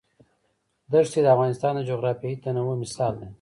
ښتې د افغانستان د جغرافیوي تنوع مثال دی.